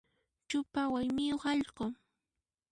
Chupa waymikuq allqu.